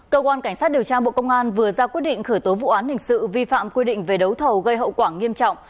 cơ quan cảnh sát điều tra bộ công an vừa ra quyết định khởi tố vụ án hình sự vi phạm quy định về đấu thầu gây hậu quả nghiêm trọng